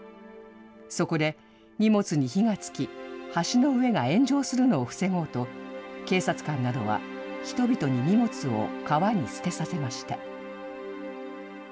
そこで、荷物に火がつき、橋の上が炎上するのを防ごうと、警察官などは人々に荷物を川に捨てさせました。